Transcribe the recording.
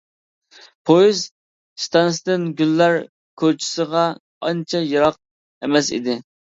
پويىز ئىستانسىدىن گۈللەر كوچىسىغا ئانچە يىراق ئەمەس ئىدى.